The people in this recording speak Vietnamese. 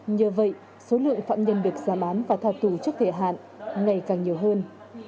nhờ vậy số lượng phạm nhân được giam án và thao tù trước thể hạn ngày càng nhiều hơn